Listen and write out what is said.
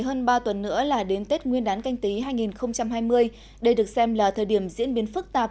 hơn ba tuần nữa là đến tết nguyên đán canh tí hai nghìn hai mươi đây được xem là thời điểm diễn biến phức tạp